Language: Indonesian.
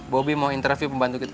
bobi mau interview pembantu kita